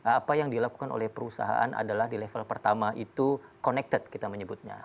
apa yang dilakukan oleh perusahaan adalah di level pertama itu connected kita menyebutnya